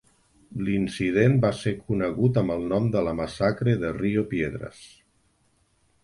L'incident va ser conegut amb el nom de la massacre de Rio Piedras.